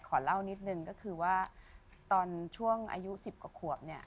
ขอเล่านิดนึงก็คือว่าตอนช่วงอายุ๑๐กว่าขวบเนี่ย